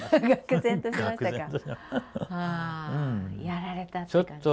やられたって感じ。